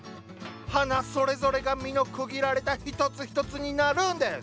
花それぞれが実の区切られた一つ一つになるんです。